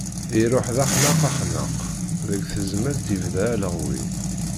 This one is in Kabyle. Iruḥ d axnaq axnaq, deg Tezmalt yebda aleɣwi.